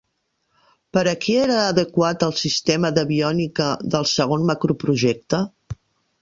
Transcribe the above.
Per a qui era adequat el sistema d'aviònica del segon macroprojecte?